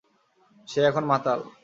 সে এখন মাতাল।